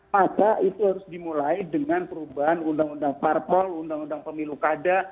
maka itu harus dimulai dengan perubahan undang undang parpol undang undang pemilu kada